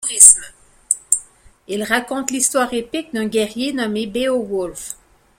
Il raconte l’histoire épique d’un guerrier nommé Beowulf.